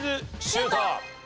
シュート！